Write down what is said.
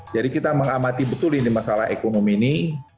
kita mengamati betul ini masalah ekonomi ini